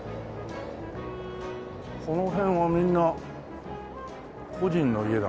この辺はみんな個人の家だね。